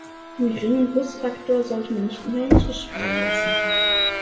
Den geringen Busfaktor sollte man nicht unter den Tisch fallen lassen.